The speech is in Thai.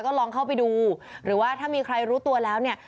ก็ลองเข้าไปดูหรือว่าถ้ามีใครรู้ตัวแล้วเนี่ย